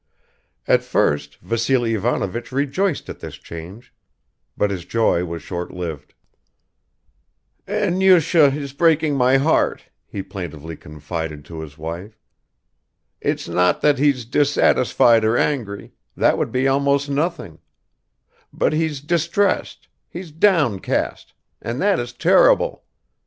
At first Vassily Ivanovich rejoiced at this change, but his joy was short lived. "Enyusha is breaking my heart," he plaintively confided to his wife. "It's not that he's dissatisfied or angry that would be almost nothing; but he's distressed, he's downcast and that is terrible.